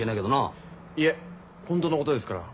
いえホントのことですから。